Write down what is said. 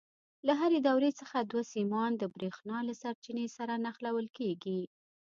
له هرې دورې څخه دوه سیمان د برېښنا له سرچینې سره نښلول کېږي.